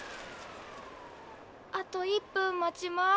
あと１分待ちます。